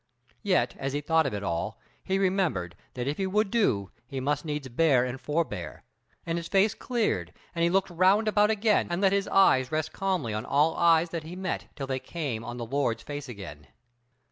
Yet, as he thought of it all, he remembered that if he would do, he must needs bear and forbear; and his face cleared, and he looked round about again and let his eyes rest calmly on all eyes that he met till they came on the Lord's face again.